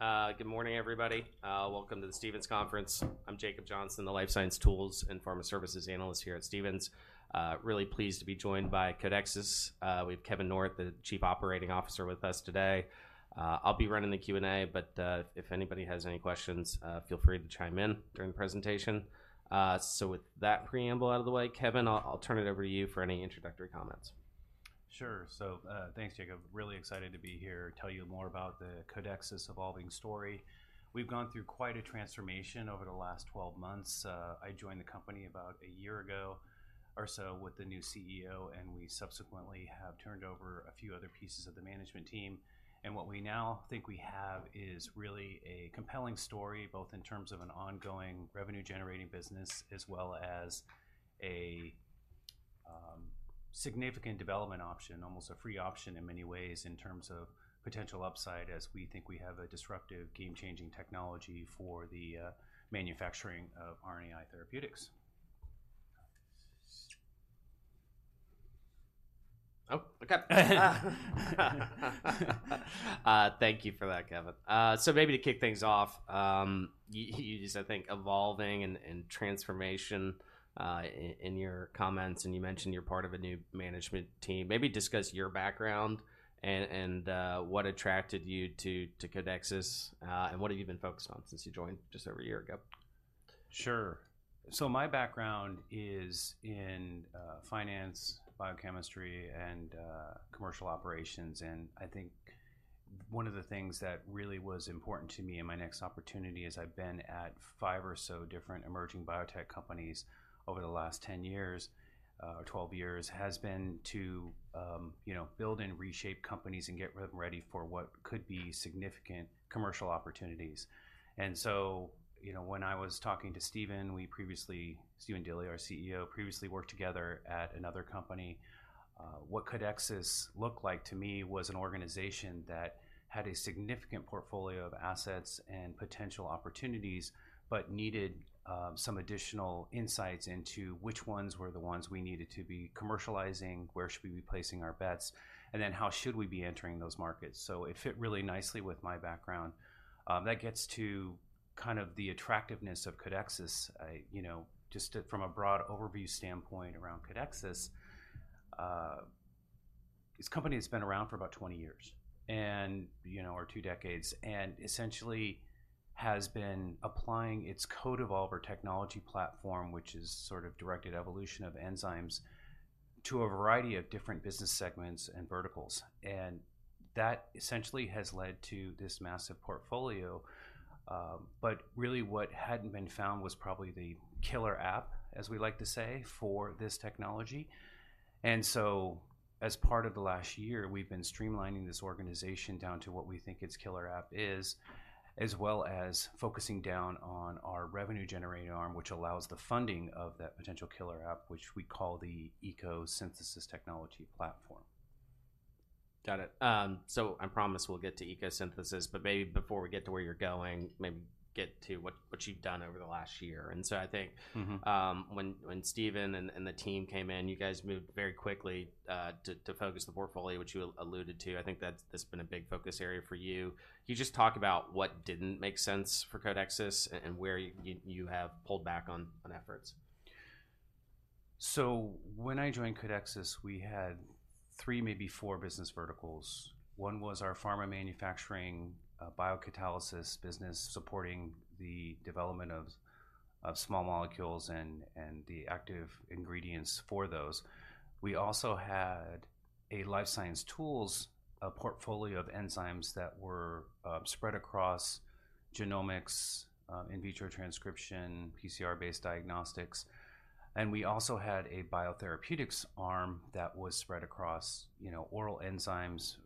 All right, good morning, everybody. Welcome to the Stephens Conference. I'm Jacob Johnson, the life science tools and pharma services analyst here at Stephens. Really pleased to be joined by Codexis. We have Kevin Norrett, the Chief Financial Officer, with us today. I'll be running the Q&A, but if anybody has any questions, feel free to chime in during the presentation. So with that preamble out of the way, Kevin, I'll turn it over to you for any introductory comments. Sure. So, thanks, Jacob. Really excited to be here to tell you more about the Codexis evolving story. We've gone through quite a transformation over the last 12 months. I joined the company about a year ago or so with the new CEO, and we subsequently have turned over a few other pieces of the management team. And what we now think we have is really a compelling story, both in terms of an ongoing revenue-generating business, as well as a significant development option, almost a free option in many ways, in terms of potential upside, as we think we have a disruptive, game-changing technology for the manufacturing of RNAi Therapeutics. Oh, okay. Thank you for that, Kevin. So maybe to kick things off, you used, I think, "evolving" and "transformation" in your comments, and you mentioned you're part of a new management team. Maybe discuss your background and what attracted you to Codexis, and what have you been focused on since you joined just over a year ago? Sure. So my background is in finance, biochemistry, and commercial operations, and I think one of the things that really was important to me in my next opportunity, as I've been at five or so different emerging biotech companies over the last 10 years or 12 years, has been to, you know, build and reshape companies and get them ready for what could be significant commercial opportunities. And so, you know, when I was talking to Stephen Dilly, our CEO, we previously worked together at another company. What Codexis looked like to me was an organization that had a significant portfolio of assets and potential opportunities, but needed some additional insights into which ones were the ones we needed to be commercializing, where should we be placing our bets, and then how should we be entering those markets? So it fit really nicely with my background. That gets to kind of the attractiveness of Codexis. You know, just to—from a broad overview standpoint around Codexis, this company has been around for about 20 years, and, you know, or two decades, and essentially has been applying its CodeEvolver Technology Platform, which is sort of directed evolution of enzymes, to a variety of different business segments and verticals. And that essentially has led to this massive portfolio, but really what hadn't been found was probably the killer app, as we like to say, for this technology. And so, as part of the last year, we've been streamlining this organization down to what we think its killer app is, as well as focusing down on our revenue-generating arm, which allows the funding of that potential killer app, which we call the ECO Synthesis Technology Platform. Got it. So I promise we'll get to ECO Synthesis, but maybe before we get to where you're going, maybe get to what, what you've done over the last year. And so I think- Mm-hmm. When Stephen and the team came in, you guys moved very quickly to focus the portfolio, which you alluded to. I think that's been a big focus area for you. Can you just talk about what didn't make sense for Codexis and where you have pulled back on efforts? So when I joined Codexis, we had three, maybe four business verticals. One was our pharma manufacturing, Biocatalysts business, supporting the development of small molecules and the active ingredients for those. We also had a life science tools, a portfolio of enzymes that were spread across genomics, in vitro transcription, PCR-based diagnostics, and we also had a Biotherapeutics arm that was spread across, you know, oral enzymes,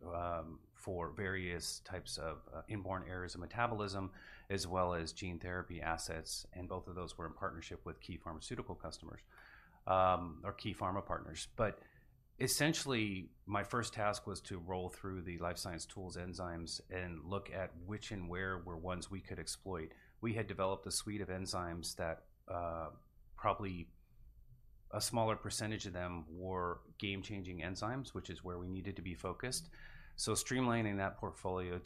for various types of inborn errors of metabolism, as well as gene therapy assets, and both of those were in partnership with key pharmaceutical customers, or key pharma partners. But essentially, my first task was to roll through the life science tools enzymes and look at which and where were ones we could exploit. We had developed a suite of enzymes that, probably a smaller percentage of them were game-changing enzymes, which is where we needed to be focused. So streamlining that portfolio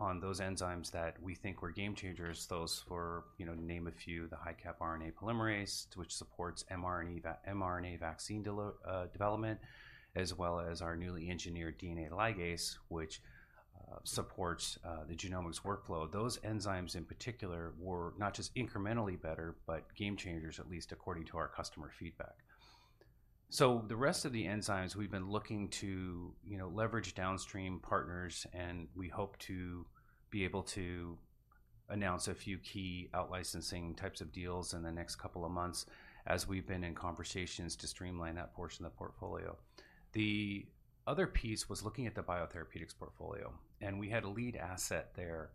on those enzymes that we think were game changers, those for, you know, to name a few, the HiCap RNA Polymerase, which supports mRNA vaccine development, as well as our newly engineered DNA Ligase, which supports the genomics workflow. Those enzymes, in particular, were not just incrementally better, but game changers, at least according to our customer feedback. So the rest of the enzymes, we've been looking to, you know, leverage downstream partners, and we hope to be able to announce a few key out licensing types of deals in the next couple of months, as we've been in conversations to streamline that portion of the portfolio. The other piece was looking at the Biotherapeutics portfolio, and we had a lead asset there.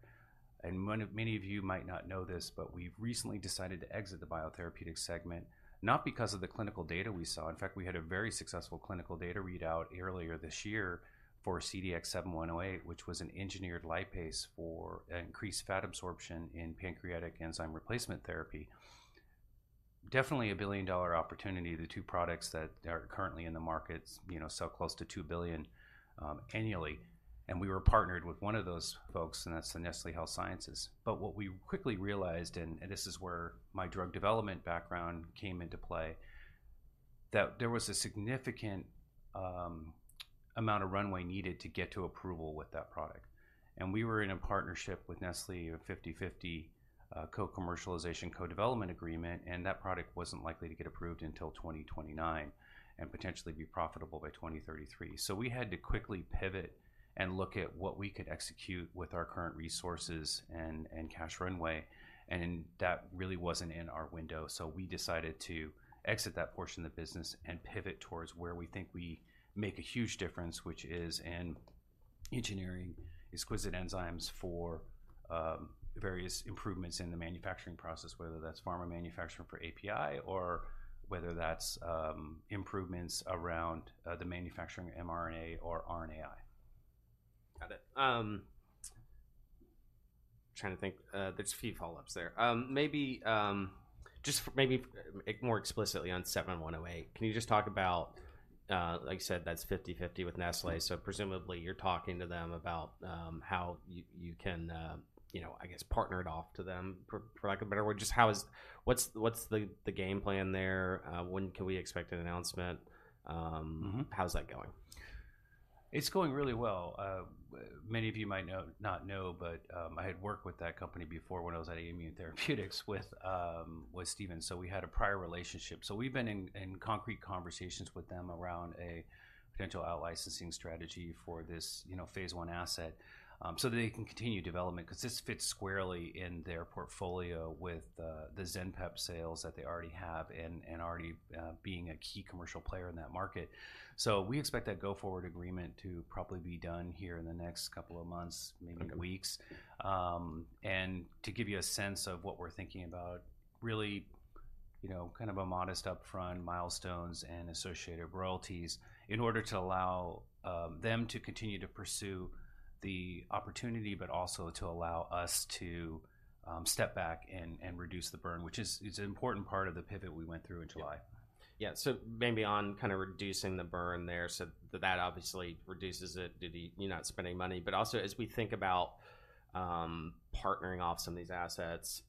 Many of you might not know this, but we've recently decided to exit the Biotherapeutics segment, not because of the clinical data we saw. In fact, we had a very successful clinical data readout earlier this year for CDX-7108, which was an engineered lipase for increased fat absorption in pancreatic enzyme replacement therapy... definitely a billion-dollar opportunity, the two products that are currently in the market, you know, sell close to $2 billion annually. We were partnered with one of those folks, and that's the Nestlé Health Science. But what we quickly realized, and this is where my drug development background came into play, that there was a significant amount of runway needed to get to approval with that product. We were in a partnership with Nestlé, a 50/50 co-commercialization, co-development agreement, and that product wasn't likely to get approved until 2029, and potentially be profitable by 2033. So we had to quickly pivot and look at what we could execute with our current resources and cash runway, and that really wasn't in our window. So we decided to exit that portion of the business and pivot towards where we think we make a huge difference, which is in engineering exquisite enzymes for various improvements in the manufacturing process, whether that's pharma manufacturing for API or whether that's improvements around the manufacturing of mRNA or RNAi. Got it. Trying to think. There's a few follow-ups there. Maybe more explicitly on 7108, can you just talk about... Like you said, that's 50/50 with Nestlé, so presumably you're talking to them about how you can, you know, I guess, partner it off to them, for lack of a better word. Just what's the game plan there? When can we expect an announcement? Mm-hmm. How's that going? It's going really well. Many of you might know-- not know, but I had worked with that company before when I was at Aimmune Therapeutics with Stephen, so we had a prior relationship. So we've been in concrete conversations with them around a potential out-licensing strategy for this, you know, phase one asset, so that they can continue development, 'cause this fits squarely in their portfolio with the Zenpep sales that they already have, and already being a key commercial player in that market. So we expect that go-forward agreement to probably be done here in the next couple of months, maybe weeks. Okay. And to give you a sense of what we're thinking about, really, you know, kind of a modest upfront milestones and associated royalties in order to allow them to continue to pursue the opportunity, but also to allow us to step back and reduce the burn, which is, it's an important part of the pivot we went through in July. Yeah. So maybe on kind of reducing the burn there, so that obviously reduces it. Do they? You're not spending money, but also, as we think about partnering off some of these assets,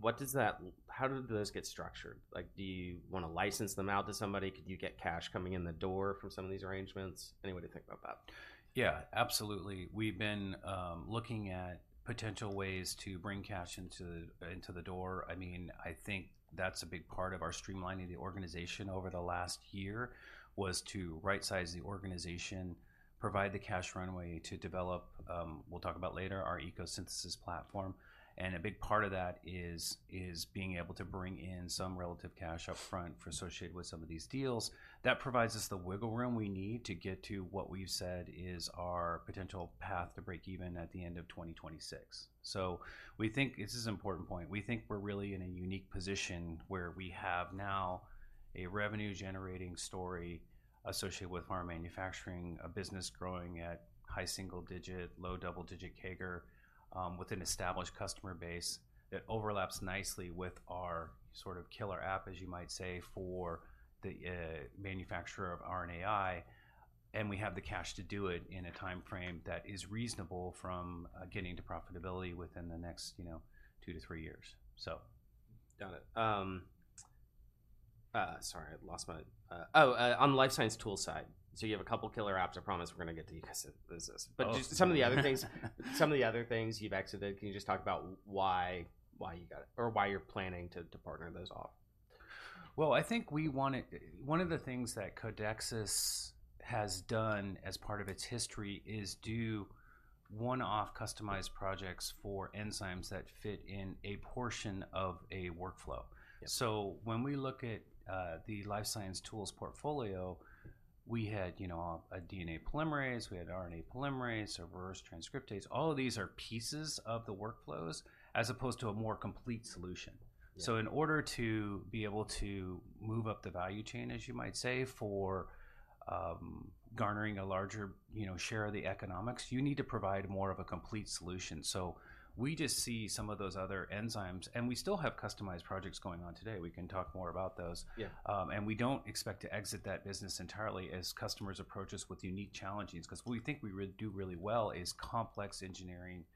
what does that? How do those get structured? Like, do you wanna license them out to somebody? Could you get cash coming in the door from some of these arrangements? Any way to think about that? Yeah, absolutely. We've been looking at potential ways to bring cash into the door. I mean, I think that's a big part of our streamlining the organization over the last year, was to rightsize the organization, provide the cash runway to develop—we'll talk about later, our ECO Synthesis platform. And a big part of that is being able to bring in some relative cash upfront for associated with some of these deals. That provides us the wiggle room we need to get to what we've said is our potential path to break even at the end of 2026. So we think... This is an important point. We think we're really in a unique position where we have now a revenue-generating story associated with our manufacturing, a business growing at high single-digit, low double-digit CAGR, with an established customer base that overlaps nicely with our sort of killer app, as you might say, for the manufacturer of RNAi, and we have the cash to do it in a timeframe that is reasonable from getting to profitability within the next, you know, two to three years. So- Got it. Sorry, on the life science tools side, so you have a couple of killer apps. I promise we're gonna get to the asset business. Oh. But just some of the other things you've exited, can you just talk about why you got it or why you're planning to partner those off? Well, I think we want it. One of the things that Codexis has done as part of its history is do one-off customized projects for enzymes that fit in a portion of a workflow. Yeah. So when we look at the life science tools portfolio, we had, you know, a DNA polymerase, we had RNA polymerase, a reverse transcriptase. All of these are pieces of the workflows, as opposed to a more complete solution. Yeah. So in order to be able to move up the value chain, as you might say, for garnering a larger, you know, share of the economics, you need to provide more of a complete solution. So we just see some of those other enzymes, and we still have customized projects going on today. We can talk more about those. Yeah. And we don't expect to exit that business entirely as customers approach us with unique challenges, 'cause what we think we do really well is complex engineering,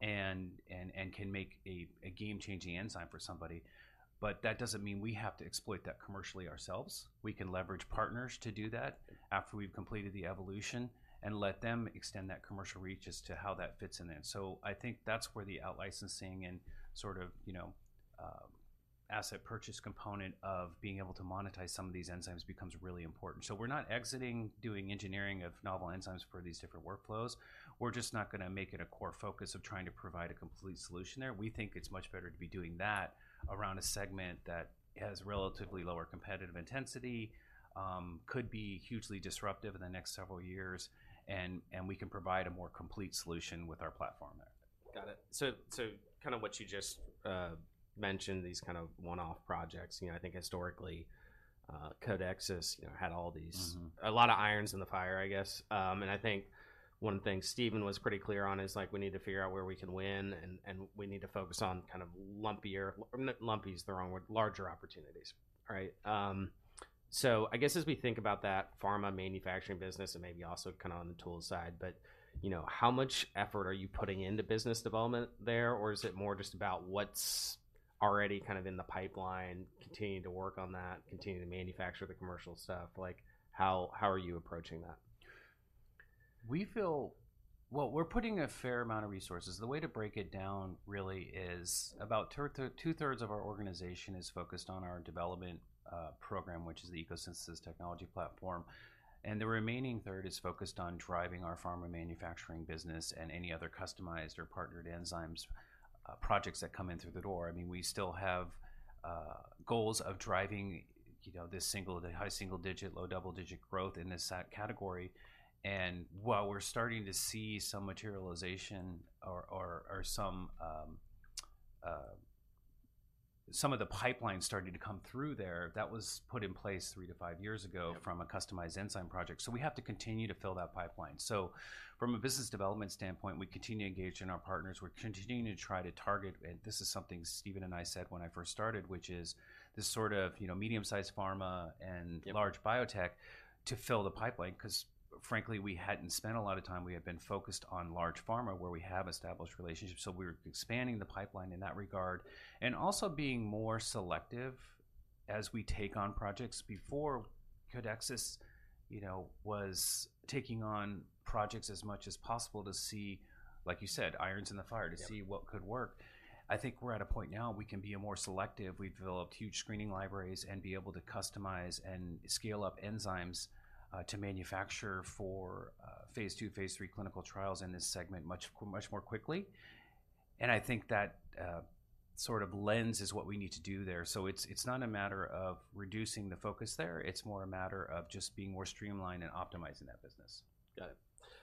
and can make a game-changing enzyme for somebody. But that doesn't mean we have to exploit that commercially ourselves. We can leverage partners to do that after we've completed the evolution, and let them extend that commercial reach as to how that fits in there. So I think that's where the out-licensing and sort of, you know, asset purchase component of being able to monetize some of these enzymes becomes really important. So we're not exiting doing engineering of novel enzymes for these different workflows. We're just not gonna make it a core focus of trying to provide a complete solution there. We think it's much better to be doing that around a segment that has relatively lower competitive intensity, could be hugely disruptive in the next several years, and we can provide a more complete solution with our platform. Got it. So, kind of what you just mentioned, these kind of one-off projects. You know, I think historically, Codexis, you know, had all these. Mm-hmm. A lot of irons in the fire, I guess. And I think one thing Stephen was pretty clear on is, like, we need to figure out where we can win, and we need to focus on kind of lumpier—lumpy is the wrong word, larger opportunities. Right? So I guess as we think about that pharma manufacturing business, and maybe also kind of on the tools side, but, you know, how much effort are you putting into business development there? Or is it more just about what's already kind of in the pipeline, continuing to work on that, continuing to manufacture the commercial stuff? Like, how are you approaching that? We feel... Well, we're putting a fair amount of resources. The way to break it down really is about two-thirds of our organization is focused on our development program, which is the ECO Synthesis Technology Platform, and the remaining third is focused on driving our pharma manufacturing business and any other customized or partnered enzymes projects that come in through the door. I mean, we still have goals of driving, you know, this high single digit, low double digit growth in this category. And while we're starting to see some materialization or some of the pipeline starting to come through there, that was put in place three to five years ago- Yep... from a customized enzyme project, so we have to continue to fill that pipeline. So from a business development standpoint, we continue to engage with our partners. We're continuing to try to target, and this is something Stephen and I said when I first started, which is this sort of, you know, medium-sized pharma and- Yep... large biotech to fill the pipeline, 'cause frankly, we hadn't spent a lot of time. We had been focused on large pharma, where we have established relationships, so we're expanding the pipeline in that regard, and also being more selective as we take on projects. Before, Codexis, you know, was taking on projects as much as possible to see, like you said, irons in the fire- Yep... to see what could work. I think we're at a point now we can be more selective. We've developed huge screening libraries and be able to customize and scale up enzymes to manufacture for phase II, phase III clinical trials in this segment much more quickly. And I think that sort of lens is what we need to do there. So it's, it's not a matter of reducing the focus there. It's more a matter of just being more streamlined and optimizing that business. Got it.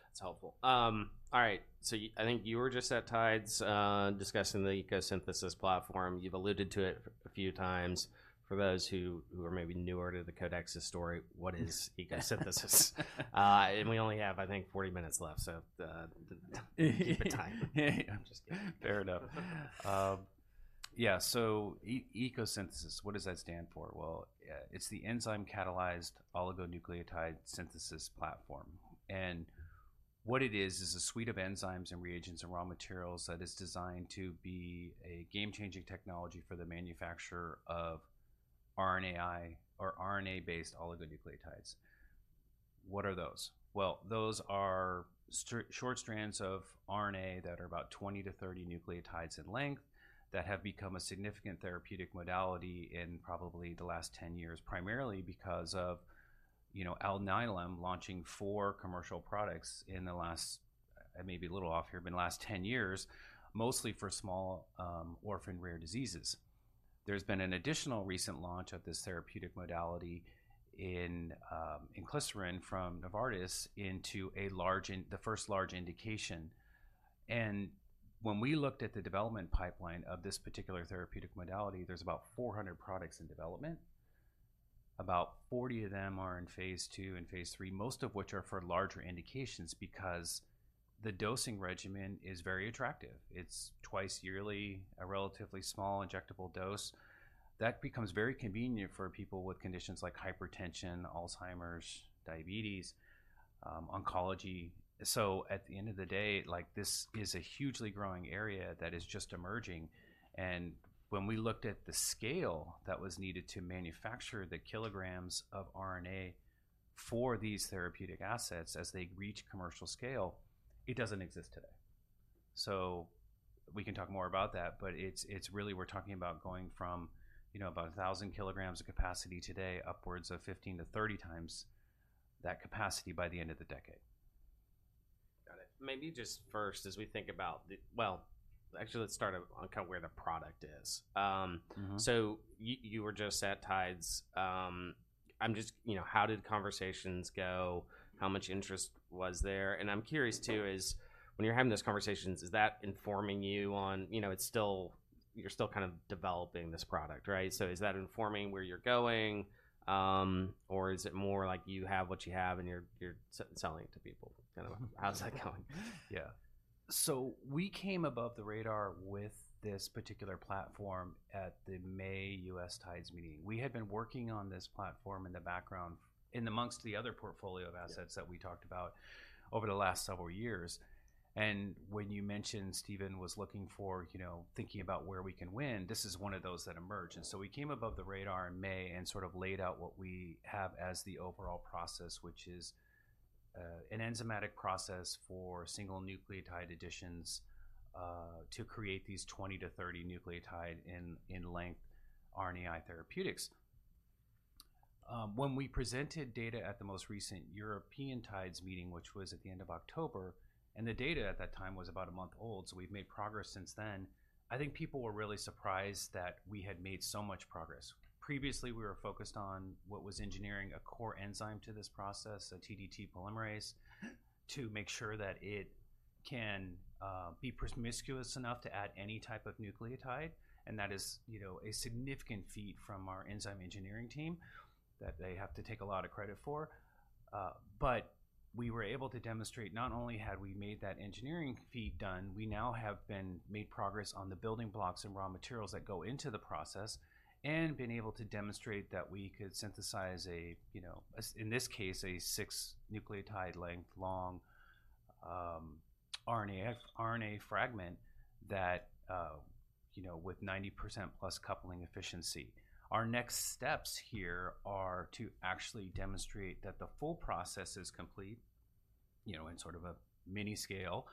That's helpful. All right, so I think you were just at TIDES, discussing the ECO Synthesis Platform. You've alluded to it a few times. For those who are maybe newer to the Codexis story, what is ECO Synthesis? And we only have, I think, 40 minutes left, so keep it tight. I'm just kidding. Fair enough. Yeah, so ECO Synthesis, what does that stand for? Well, it's the enzyme-catalyzed oligonucleotide synthesis platform, and what it is, is a suite of enzymes and reagents and raw materials that is designed to be a game-changing technology for the manufacturer of RNAi or RNA-based oligonucleotides. What are those? Well, those are short strands of RNA that are about 20-30 nucleotides in length, that have become a significant therapeutic modality in probably the last 10 years, primarily because of, you know, Alnylam launching four commercial products in the last, I may be a little off here, but in the last 10 years, mostly for small, orphan rare diseases. There's been an additional recent launch of this therapeutic modality in, Inclisiran from Novartis into a large in... the first large indication. When we looked at the development pipeline of this particular therapeutic modality, there's about 400 products in development. About 40 of them are in phase II and phase III, most of which are for larger indications, because the dosing regimen is very attractive. It's twice yearly, a relatively small injectable dose. That becomes very convenient for people with conditions like hypertension, Alzheimer's, diabetes, oncology. So at the end of the day, like, this is a hugely growing area that is just emerging, and when we looked at the scale that was needed to manufacture the kilograms of RNA for these therapeutic assets as they reach commercial scale, it doesn't exist today. So we can talk more about that, but it's really we're talking about going from, you know, about 1,000 kilograms of capacity today, upwards of 15-30 times that capacity by the end of the decade. Got it. Maybe just first, as we think about the... Well, actually, let's start on kind of where the product is. Mm-hmm. So you were just at TIDES. You know, how did conversations go? How much interest was there? And I'm curious, too, when you're having those conversations, is that informing you on... You know, it's still, you're still kind of developing this product, right? So is that informing where you're going, or is it more like you have what you have, and you're selling it to people? Kind of how's that going? Yeah. So we came above the radar with this particular platform at the May TIDES USA meeting. We had been working on this platform in the background, in amongst the other portfolio of assets- Yep... that we talked about over the last several years. When you mentioned Stephen was looking for, you know, thinking about where we can win, this is one of those that emerged. So we came above the radar in May and sort of laid out what we have as the overall process, which is an enzymatic process for single nucleotide additions to create these 20-30 nucleotide in length RNAi Therapeutics. When we presented data at the most recent European TIDES meeting, which was at the end of October, and the data at that time was about a month old, so we've made progress since then, I think people were really surprised that we had made so much progress. Previously, we were focused on what was engineering a core enzyme to this process, a TdT polymerase... to make sure that it-... can be promiscuous enough to add any type of nucleotide, and that is, you know, a significant feat from our enzyme engineering team that they have to take a lot of credit for. But we were able to demonstrate, not only had we made that engineering feat done, we now have made progress on the building blocks and raw materials that go into the process, and been able to demonstrate that we could synthesize a, you know, in this case, a 6-nucleotide length long RNA fragment that, you know, with 90% plus coupling efficiency. Our next steps here are to actually demonstrate that the full process is complete, you know, in sort of a mini scale,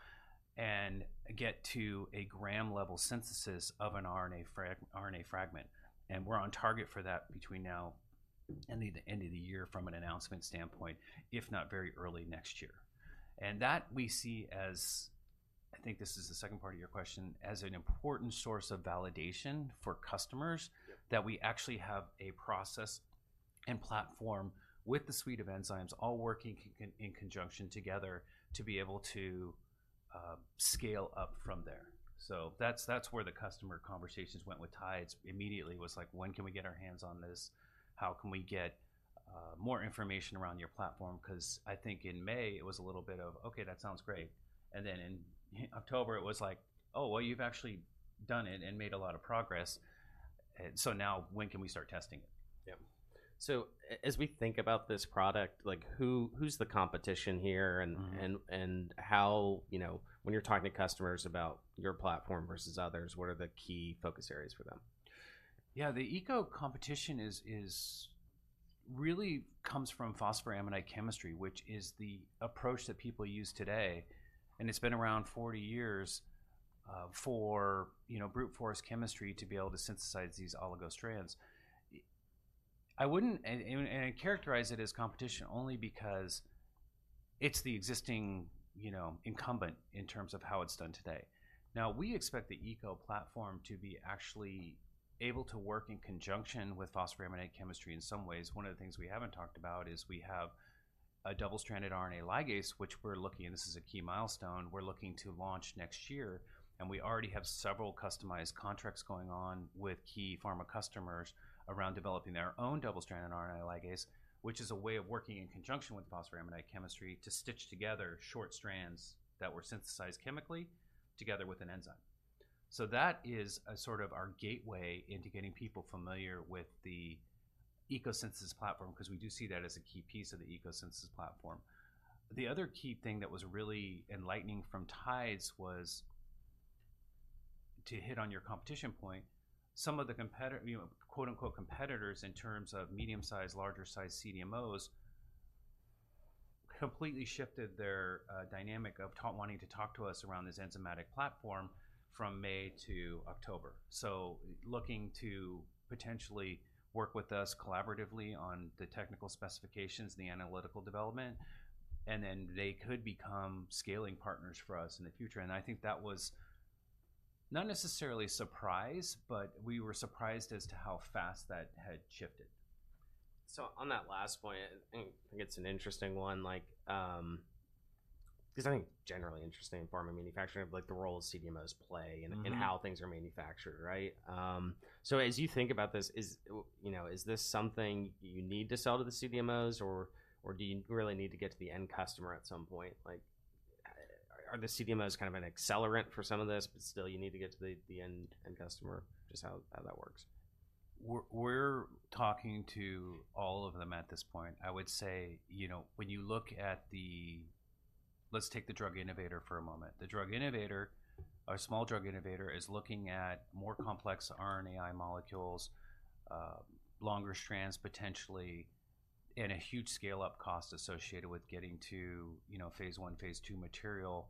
and get to a gram-level synthesis of an RNA fragment. And we're on target for that between now and the end of the year from an announcement standpoint, if not very early next year. And that we see as... I think this is the second part of your question, as an important source of validation for customers- Yep. that we actually have a process and platform with the suite of enzymes all working in conjunction together, to be able to scale up from there. So that's where the customer conversations went with TIDES. Immediately, it was like: When can we get our hands on this? How can we get more information around your platform? 'Cause I think in May, it was a little bit of, "Okay, that sounds great." And then in October, it was like, "Oh, well, you've actually done it and made a lot of progress. So now when can we start testing it? Yeah. So as we think about this product, like, who, who's the competition here, and- Mm-hmm... and how, you know, when you're talking to customers about your platform versus others, what are the key focus areas for them? Yeah, the ECO competition is really comes Phosphoramidite chemistry, which is the approach that people use today, and it's been around 40 years, you know, for brute force chemistry to be able to synthesize these oligo strands. And I characterize it as competition only because it's the existing, you know, incumbent in terms of how it's done today. Now, we expect the ECO platform to be actually able to work in conjunction Phosphoramidite chemistry in some ways. One of the things we haven't talked about is we have a double-stranded RNA ligase, and this is a key milestone we're looking to launch next year, and we already have several customized contracts going on with key pharma customers around developing their own double-stranded RNA ligase, which is a way of working in conjunction Phosphoramidite chemistry to stitch together short strands that were synthesized chemically, together with an enzyme. So that is a sort of our gateway into getting people familiar with the ECO Synthesis platform, 'cause we do see that as a key piece of the ECO Synthesis platform. The other key thing that was really enlightening from TIDES was to hit on your competition point. Some of the, you know, quote, unquote, "competitors," in terms of medium-sized, larger-sized CDMOs, completely shifted their dynamic of wanting to talk to us around this enzymatic platform from May to October. So looking to potentially work with us collaboratively on the technical specifications and the analytical development, and then they could become scaling partners for us in the future. I think that was not necessarily a surprise, but we were surprised as to how fast that had shifted. On that last point, I think it's an interesting one, like, 'Cause I think generally interesting in pharma manufacturing of, like, the role CDMOs play- Mm-hmm... and how things are manufactured, right? So as you think about this, you know, is this something you need to sell to the CDMOs, or do you really need to get to the end customer at some point? Like, are the CDMOs kind of an accelerant for some of this, but still you need to get to the end customer? Just how that works. We're talking to all of them at this point. I would say, you know, when you look at the... Let's take the drug innovator for a moment. The drug innovator, our small drug innovator, is looking at more complex RNAi molecules, longer strands, potentially, and a huge scale-up cost associated with getting to, you know, phase I, phase II material,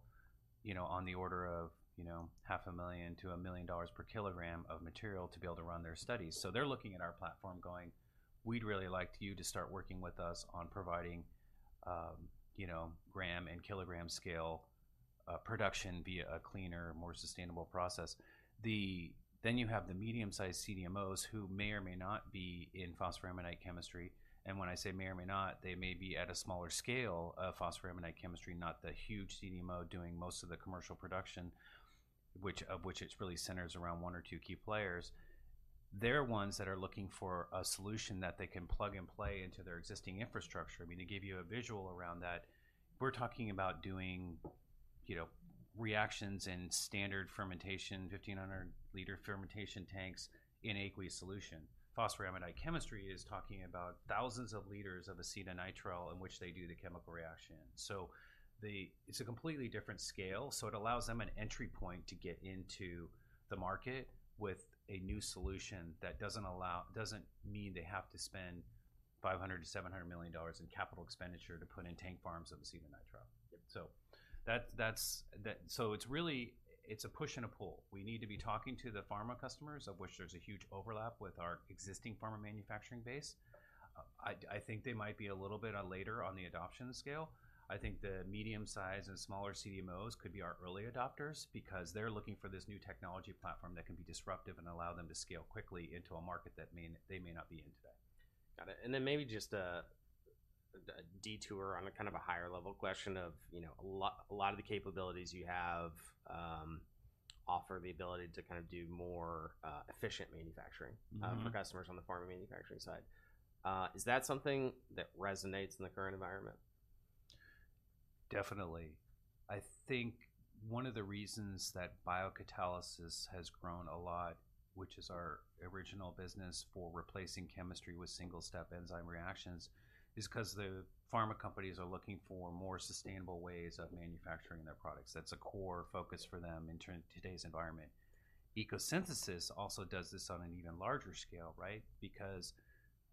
you know, on the order of, you know, $500,000-$1 million per kilogram of material to be able to run their studies. So they're looking at our platform going, "We'd really like you to start working with us on providing, you know, gram and kilogram scale production via a cleaner, more sustainable process." Then you have the medium-sized CDMOs, who may or may not be Phosphoramidite chemistry, and when I say may or may not, they may be at a smaller scale Phosphoramidite chemistry, not the huge CDMO doing most of the commercial production, of which it really centers around one or two key players. They're ones that are looking for a solution that they can plug and play into their existing infrastructure. I mean, to give you a visual around that, we're talking about doing, you know, reactions in standard fermentation, 1,500-liter fermentation tanks in aqueous solution. Phosphoramidite chemistry is talking about thousands of liters of acetonitrile in which they do the chemical reaction. So it's a completely different scale, so it allows them an entry point to get into the market with a new solution that doesn't mean they have to spend $500 million-$700 million in capital expenditure to put in tank farms of acetonitrile. Yep. So it's really, it's a push and a pull. We need to be talking to the pharma customers, of which there's a huge overlap with our existing pharma manufacturing base. I think they might be a little bit later on the adoption scale. I think the medium-sized and smaller CDMOs could be our early adopters, because they're looking for this new technology platform that can be disruptive and allow them to scale quickly into a market that they may not be in today. Got it. And then maybe just a detour on a kind of a higher level question of, you know, a lot, a lot of the capabilities you have offer the ability to kind of do more efficient manufacturing- Mm-hmm. -for customers on the pharma manufacturing side. Is that something that resonates in the current environment? Definitely. I think one of the reasons that biocatalysis has grown a lot, which is our original business for replacing chemistry with single-step enzyme reactions, is 'cause the pharma companies are looking for more sustainable ways of manufacturing their products. That's a core focus for them in today's environment. ECO Synthesis also does this on an even larger scale, right? Because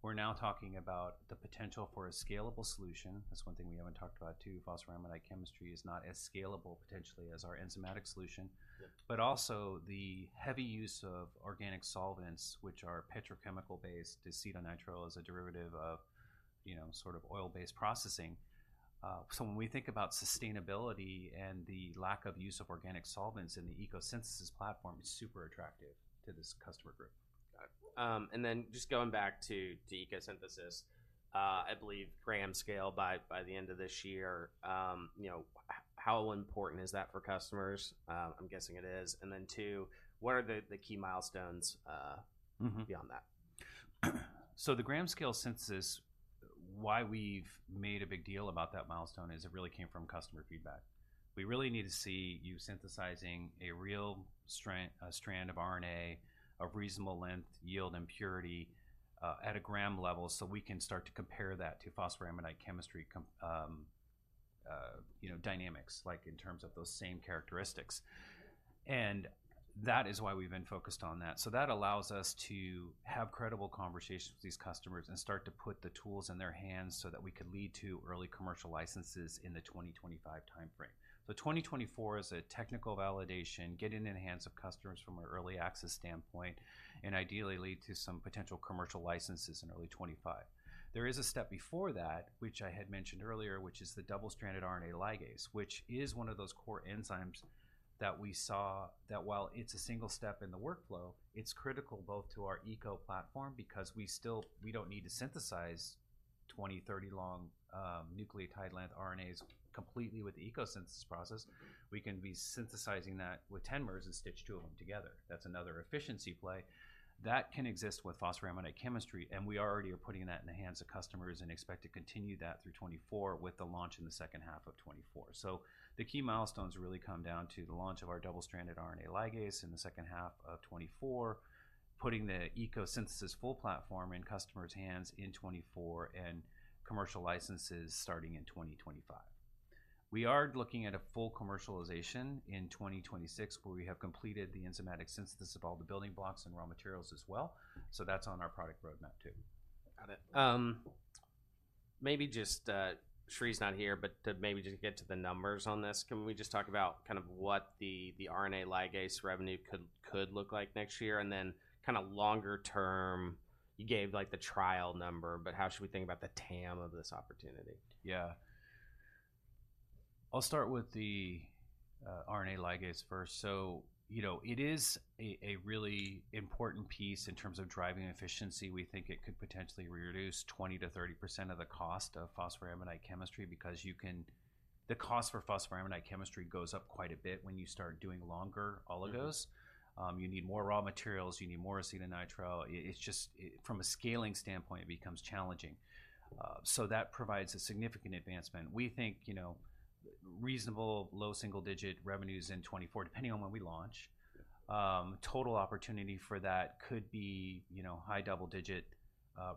we're now talking about the potential for a scalable solution. That's one thing we haven't talked about, Phosphoramidite chemistry is not as scalable potentially as our enzymatic solution. Yep. But also the heavy use of organic solvents, which are petrochemical based. Acetonitrile is a derivative of, you know, sort of oil-based processing. So when we think about sustainability and the lack of use of organic solvents in the ECO Synthesis Platform, it's super attractive to this customer group. Got it. And then just going back to ECO Synthesis, I believe gram scale by the end of this year, you know, how important is that for customers? I'm guessing it is. And then, two, what are the key milestones? Mm-hmm... beyond that? So the gram scale synthesis, why we've made a big deal about that milestone is it really came from customer feedback. "We really need to see you synthesizing a real strand of RNA, of reasonable length, yield, and purity, at a gram level, so we can start to compare that Phosphoramidite chemistry, you know, dynamics, like, in terms of those same characteristics." And that is why we've been focused on that. So that allows us to have credible conversations with these customers and start to put the tools in their hands, so that we could lead to early commercial licenses in the 2025 timeframe. So 2024 is a technical validation, getting it in the hands of customers from an early access standpoint, and ideally lead to some potential commercial licenses in early 2025. There is a step before that, which I had mentioned earlier, which is the double-stranded RNA ligase, which is one of those core enzymes that we saw, that while it's a single step in the workflow, it's critical both to our ECO platform, because we still, we don't need to synthesize 20, 30 long, nucleotide length RNAs completely with the ECO Synthesis process. We can be synthesizing that with 10-mers and stitch two of them together. That's another efficiency play. That can exist Phosphoramidite chemistry, and we already are putting that in the hands of customers and expect to continue that through 2024, with the launch in the second half of 2024. So the key milestones really come down to the launch of our double-stranded RNA ligase in the second half of 2024, putting the ECO Synthesis full platform in customers' hands in 2024, and commercial licenses starting in 2025. We are looking at a full commercialization in 2026, where we have completed the enzymatic synthesis of all the building blocks and raw materials as well. So that's on our product roadmap, too. Got it. Maybe just, Sri's not here, but to maybe just get to the numbers on this, can we just talk about kind of what the, the RNA ligase revenue could, could look like next year? And then kind of longer term, you gave, like, the trial number, but how should we think about the TAM of this opportunity? Yeah. I'll start with the RNA ligase first. So, you know, it is a really important piece in terms of driving efficiency. We think it could potentially reduce 20%-30% of the cost Phosphoramidite chemistry, because you can... The cost Phosphoramidite chemistry goes up quite a bit when you start doing longer oligos. Mm-hmm. You need more raw materials, you need more acetonitrile. It's just from a scaling standpoint, it becomes challenging. So that provides a significant advancement. We think, you know, reasonable low single-digit revenues in 2024, depending on when we launch. Sure. Total opportunity for that could be, you know, high double-digit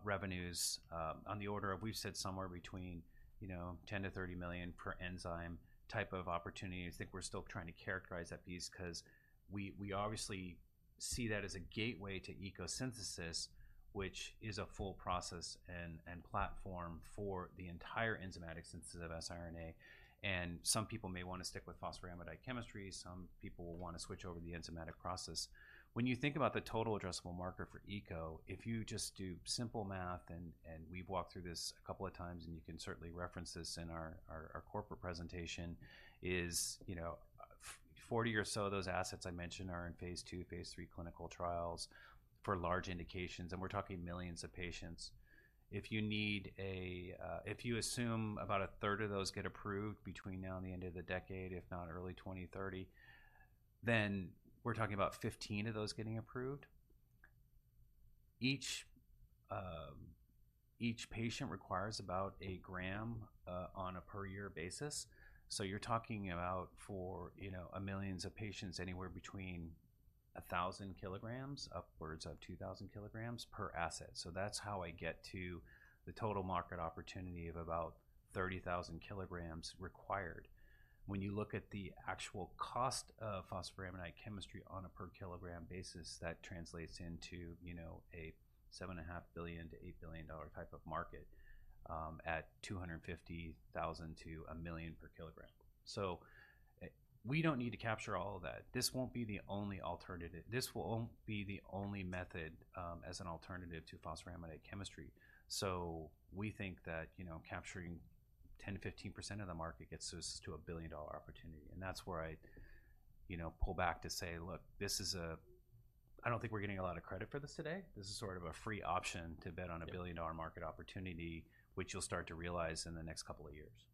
revenues. On the order of—we've said somewhere between, you know, $10 million-$30 million per enzyme type of opportunity. I think we're still trying to characterize that piece, 'cause we obviously see that as a gateway to ECO Synthesis, which is a full process and platform for the entire enzymatic synthesis of siRNA. And some people may wanna stick Phosphoramidite chemistry, some people will wanna switch over to the enzymatic process. When you think about the total addressable market for eco, if you just do simple math, and we've walked through this a couple of times, and you can certainly reference this in our corporate presentation, you know, 40 or so of those assets I mentioned are in phase II, phase III clinical trials for large indications, and we're talking millions of patients. If you assume about a third of those get approved between now and the end of the decade, if not early 2030, then we're talking about 15 of those getting approved. Each patient requires about a gram on a per year basis. So you're talking about for, you know, millions of patients, anywhere between 1,000 kilograms upwards of 2,000 kilograms per asset. So that's how I get to the total market opportunity of about 30,000 kilograms required. When you look at the actual cost Phosphoramidite chemistry on a per kilogram basis, that translates into, you know, a $7.5 billion-$8 billion type of market at $250,000-$1 million per kilogram. So, we don't need to capture all of that. This won't be the only alternative—this won't be the only method as an alternative Phosphoramidite chemistry. so we think that, you know, capturing 10%-15% of the market gets us to a billion-dollar opportunity, and that's where I, you know, pull back to say: "Look, this is a. I don't think we're getting a lot of credit for this today. This is sort of a free option to bet on a billion- Yep. -dollar market opportunity, which you'll start to realize in the next couple of years.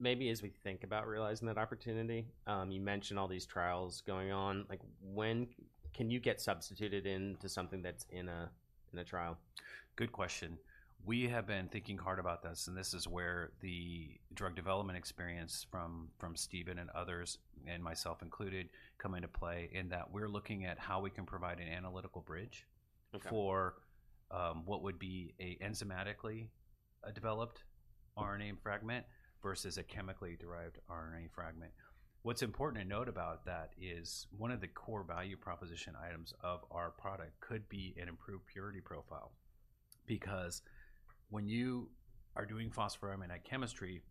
Maybe as we think about realizing that opportunity, you mentioned all these trials going on, like, when can you get substituted into something that's in a trial? Good question. We have been thinking hard about this, and this is where the drug development experience from Stephen and others, and myself included, come into play, in that we're looking at how we can provide an analytical bridge- Okay... for what would be an enzymatically developed RNA fragment versus a chemically derived RNA fragment. What's important to note about that is, one of the core value proposition items of our product could be an improved purity profile. Because when you are Phosphoramidite chemistry,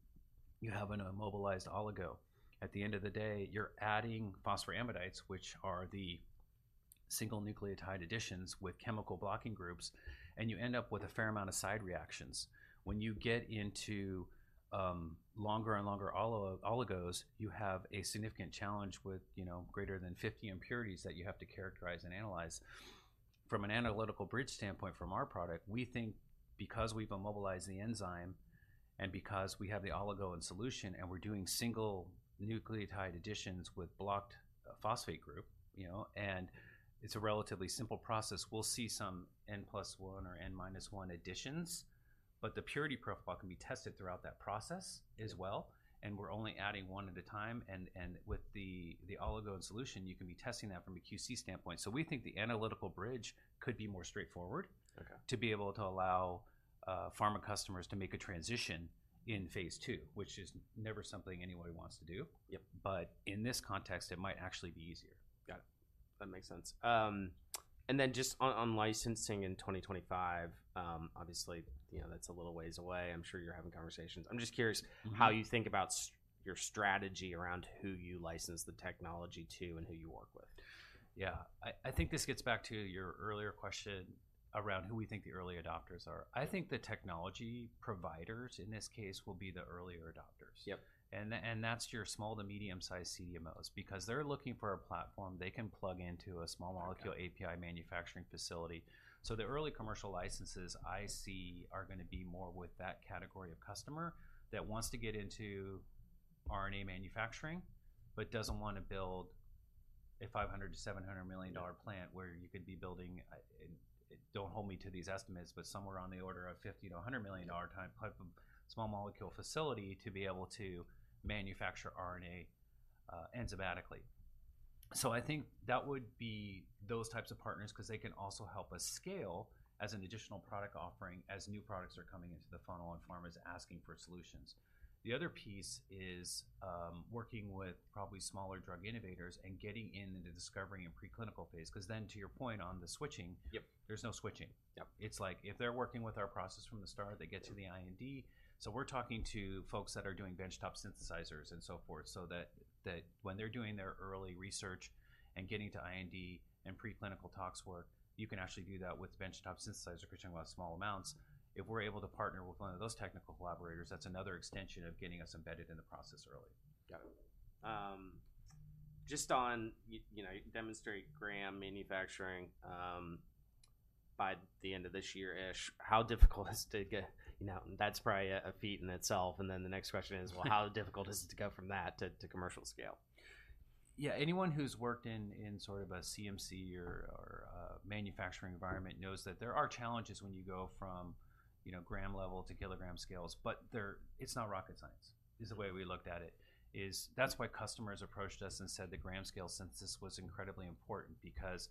you have an immobilized oligo. At the end of the day, you're adding phosphoramidites, which are the single nucleotide additions with chemical blocking groups, and you end up with a fair amount of side reactions. When you get into longer and longer oligos, you have a significant challenge with, you know, greater than 50 impurities that you have to characterize and analyze. From an analytical bridge standpoint, from our product, we think because we've immobilized the enzyme, and because we have the oligo in solution, and we're doing single nucleotide additions with blocked phosphate group, you know, and it's a relatively simple process. We'll see some n+1 or n-1 additions, but the purity profile can be tested throughout that process as well, and we're only adding one at a time. And with the oligo in solution, you can be testing that from a QC standpoint. So we think the analytical bridge could be more straightforward. Okay... to be able to allow pharma customers to make a transition in phase two, which is never something anybody wants to do. Yep. But in this context, it might actually be easier. Got it. That makes sense. And then just on licensing in 2025, obviously, you know, that's a little ways away. I'm sure you're having conversations. I'm just curious- Mm-hmm... how you think about your strategy around who you license the technology to and who you work with? Yeah. I, I think this gets back to your earlier question around who we think the early adopters are. I think the technology providers, in this case, will be the earlier adopters. Yep. And that's your small to medium-sized CDMOs, because they're looking for a platform they can plug into a small molecule- Okay... API manufacturing facility. So the early commercial licenses I see are gonna be more with that category of customer, that wants to get into RNA manufacturing, but doesn't wanna build a $500 million-$700 million plant- Yep... where you could be building, don't hold me to these estimates, but somewhere on the order of $50-$100 million type of small molecule facility to be able to manufacture RNA enzymatically. So I think that would be those types of partners, 'cause they can also help us scale as an additional product offering, as new products are coming into the funnel and pharma is asking for solutions. The other piece is, working with probably smaller drug innovators and getting into discovery and preclinical phase, 'cause then to your point on the switching- Yep... there's no switching. Yep. It's like, if they're working with our process from the start, they get to the IND. So we're talking to folks that are doing benchtop synthesizers and so forth, so that when they're doing their early research and getting to IND and preclinical tox work, you can actually do that with benchtop synthesizer, 'cause you're talking about small amounts. If we're able to partner with one of those technical collaborators, that's another extension of getting us embedded in the process early. Got it. Just on y- you know, you demonstrate gram manufacturing by the end of this year-ish, how difficult is it to get... You know, that's probably a feat in itself, and then the next question is... well, how difficult is it to go from that to commercial scale? Yeah, anyone who's worked in sort of a CMC or a manufacturing environment knows that there are challenges when you go from, you know, gram level to kilogram scales, but they're—it's not rocket science, is the way we looked at it. That's why customers approached us and said the gram scale synthesis was incredibly important, because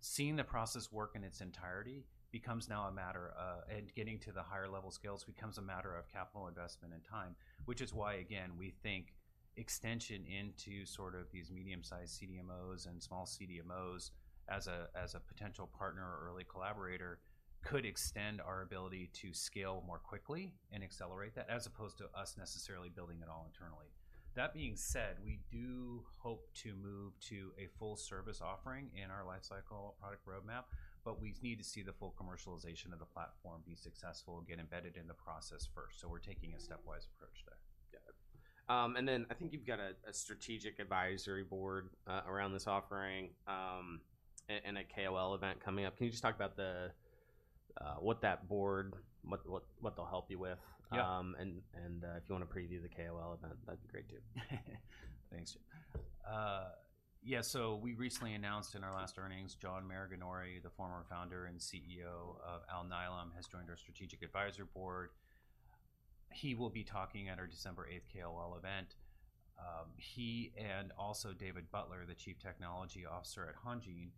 seeing the process work in its entirety becomes now a matter of—and getting to the higher level scales becomes a matter of capital investment and time. Which is why, again, we think extension into sort of these medium-sized CDMOs and small CDMOs, as a potential partner or early collaborator, could extend our ability to scale more quickly and accelerate that, as opposed to us necessarily building it all internally. That being said, we do hope to move to a full service offering in our lifecycle product roadmap, but we need to see the full commercialization of the platform be successful and get embedded in the process first. So we're taking a stepwise approach there. Got it. And then I think you've got a strategic advisory board around this offering, and a KOL event coming up. Can you just talk about what that board will help you with? Yep. If you wanna preview the KOL event, that'd be great, too. Thanks. Yeah, so we recently announced in our last earnings, John Maraganore, the former founder and CEO of Alnylam, has joined our Strategic Advisory Board. He will be talking at our December 8th KOL event. He and also David Butler, the Chief Technology Officer at Hongene,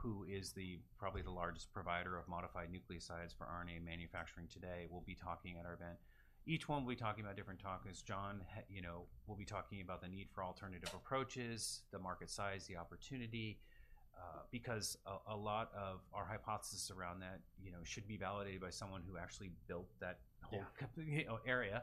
who is probably the largest provider of modified nucleosides for RNA manufacturing today, will be talking at our event. Each one will be talking about different topics. John, you know, will be talking about the need for alternative approaches, the market size, the opportunity, because a lot of our hypothesis around that, you know, should be validated by someone who actually built that whole, you know, area.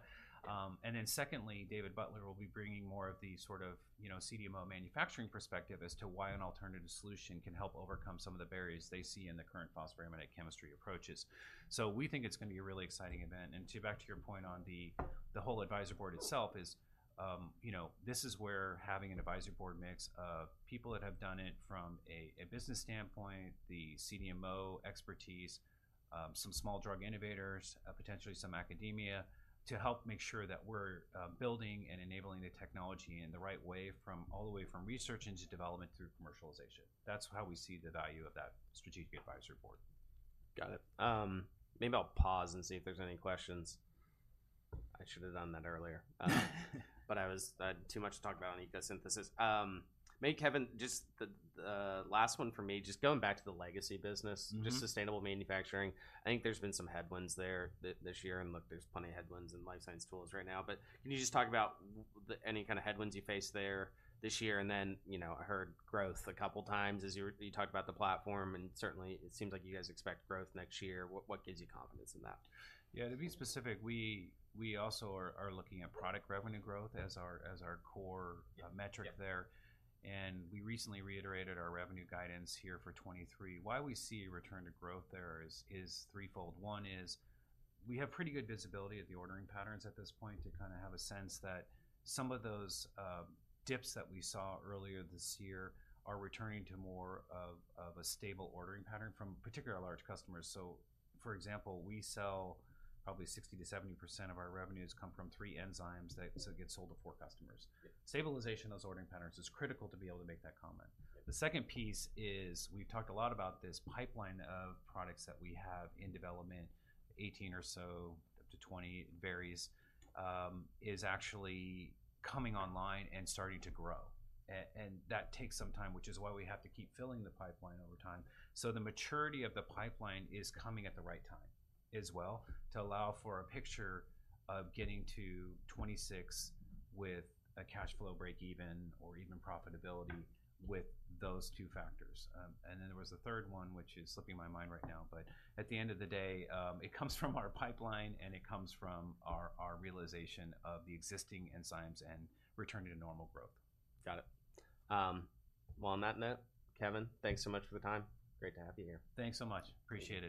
And then secondly, David Butler will be bringing more of the sort of, you know, CDMO manufacturing perspective as to why an alternative solution can help overcome some of the barriers they see in the Phosphoramidite chemistry approaches. So we think it's gonna be a really exciting event. And to back to your point on the whole advisory board itself is, you know, this is where having an advisory board mix of people that have done it from a business standpoint, the CDMO expertise, some small drug innovators, potentially some academia, to help make sure that we're building and enabling the technology in the right way from all the way from research, into development, through commercialization. That's how we see the value of that strategic advisory board. Got it. Maybe I'll pause and see if there's any questions. I should have done that earlier. But I had too much to talk about on ECO Synthesis. Maybe Kevin, just the last one for me, just going back to the legacy business- Mm-hmm.... just sustainable manufacturing. I think there's been some headwinds there this year, and look, there's plenty of headwinds in life science tools right now. But can you just talk about any kind of headwinds you faced there this year? And then, you know, I heard growth a couple times as you were you talked about the platform, and certainly it seems like you guys expect growth next year. What, what gives you confidence in that? Yeah, to be specific, we also are looking at product revenue growth as our core- Yeah... metric there. And we recently reiterated our revenue guidance here for 2023. Why we see a return to growth there is threefold. One is, we have pretty good visibility of the ordering patterns at this point, to kind of have a sense that some of those dips that we saw earlier this year are returning to more of a stable ordering pattern from particularly our large customers. So for example, we sell probably 60%-70% of our revenues come from three enzymes that get sold to four customers. Yeah. Stabilization of those ordering patterns is critical to be able to make that comment. Right. The second piece is, we've talked a lot about this pipeline of products that we have in development, 18 or so, up to 20, it varies, is actually coming online and starting to grow. And that takes some time, which is why we have to keep filling the pipeline over time. So the maturity of the pipeline is coming at the right time as well, to allow for a picture of getting to 2026 with a cash flow break even or even profitability with those two factors. And then there was the third one, which is slipping my mind right now, but at the end of the day, it comes from our pipeline and it comes from our realization of the existing enzymes and returning to normal growth. Got it. Well, on that note, Kevin, thanks so much for the time. Great to have you here. Thanks so much. Appreciate it.